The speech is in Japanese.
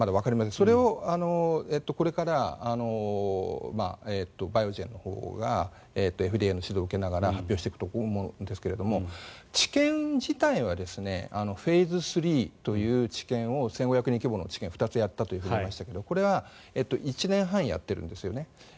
それをこれからバイオジェンのほうがＦＤＡの指導を受けながら発表していくと思うんですが治験自体はフェーズ３という治験を１５００人規模の治験を２つやったと言いましたがこれは１年半やっているんです。